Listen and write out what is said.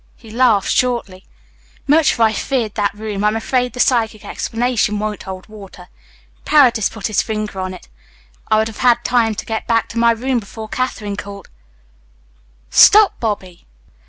He laughed shortly. "Much as I've feared that room, I'm afraid the psychic explanation won't hold water. Paredes put his finger on it. I would have had time to get back to my room before Katherine called " "Stop, Bobby!"